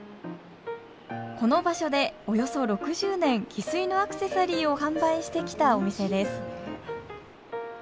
この場所でおよそ６０年ヒスイのアクセサリーを販売してきたお店です